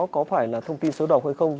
có phải là thông tin xấu độc hay không